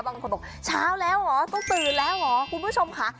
บางคนบอกเช้าแล้วเหรอต้องตื่นแล้วเหรอคุณผู้ชมค่ะ